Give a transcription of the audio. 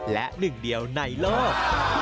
และหนึ่งเดียวในโลก